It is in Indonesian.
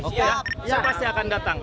saya pasti akan datang